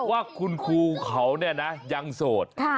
ว่าคุณครูเขาเนี่ยนะยังโสด